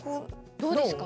どうですか？